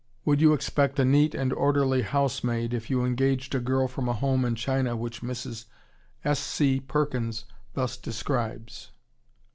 Would you expect a neat and orderly housemaid if you engaged a girl from a home in China which Mrs. S. C. Perkins thus describes?